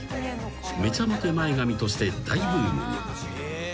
［めちゃモテ前髪として大ブームに］